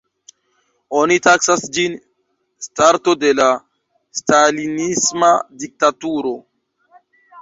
Oni taksas ĝin starto de la stalinisma diktaturo.